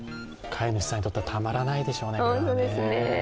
飼い主さんにとっては、たまらないでしょうね。